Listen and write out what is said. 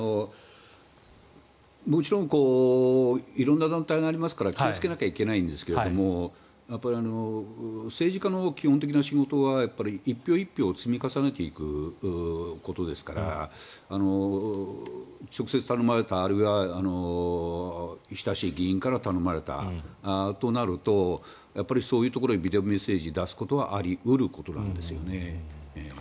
もちろん色んな団体がありますから気をつけなきゃいけないんですが政治家の基本的な仕事は１票１票積み重ねていくことですから直接頼まれた、あるいは親しい議員から頼まれたとなるとやっぱりそういうところにビデオメッセージを出すことはあり得ることなんですよね。